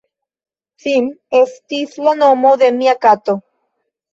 Sim estis la nomo de mia kato.